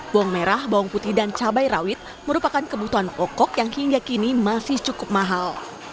bawang merah bawang putih dan cabai rawit merupakan kebutuhan pokok yang hingga kini masih cukup mahal